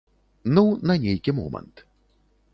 Ну, на нейкі момант.